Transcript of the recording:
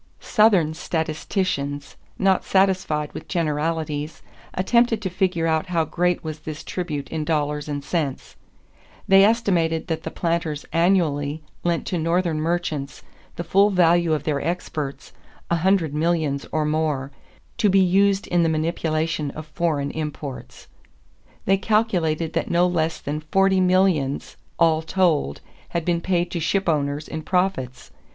Southern statisticians, not satisfied with generalities, attempted to figure out how great was this tribute in dollars and cents. They estimated that the planters annually lent to Northern merchants the full value of their exports, a hundred millions or more, "to be used in the manipulation of foreign imports." They calculated that no less than forty millions all told had been paid to shipowners in profits.